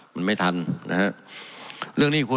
มันไม่ทันนะครับ